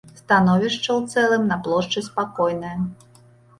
Становішча ў цэлым на плошчы спакойнае.